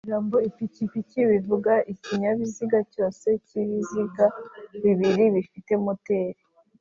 Ijambo "ipikipiki" bivuga ikinyabiziga cyose cy'ibiziga bibiri gifite moteri